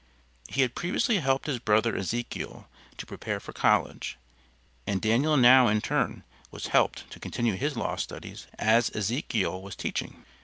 He had previously helped his brother Ezekiel to prepare for college, and Daniel now in turn was helped to continue his law studies as Ezekiel was teaching.